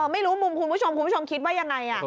ไม่รู้คุณผู้ชมคิดว่ายังไง